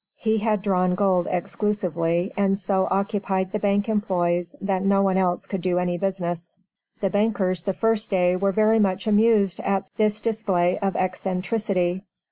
He had drawn gold exclusively, and so occupied the bank employes that no one else could do any business. The bankers the first day were very much amused at "This display of eccentricity."